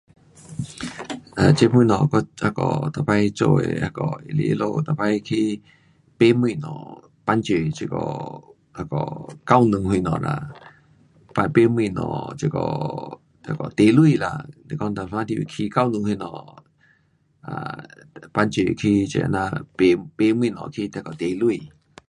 um 这东西我那个每次做的是那个那是他们每次去卖东西帮助人这个那个教堂什么啦 but 卖东西这个那个底钱啦。是讲有时候有起教堂什么 um 帮助去这样卖，卖东西去那个底钱。